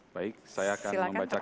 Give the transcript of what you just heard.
baik saya akan membacakan